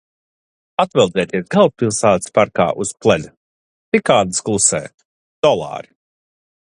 Atveldzēties galvaspilsētas parkā uz pleda. Cikādes klusē. Dolāri.